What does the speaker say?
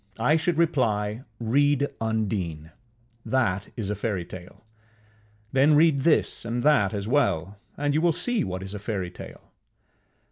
I should reply, Read Undine: that is a fairytale; then read this and that as well, and you will see what is a fairytale.